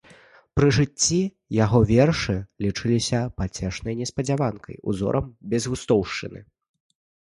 Пры жыцці яго вершы лічыліся пацешнай неспадзяванкай, узорам безгустоўшчыны.